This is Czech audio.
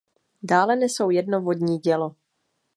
Dále nesou jedno vodní dělo.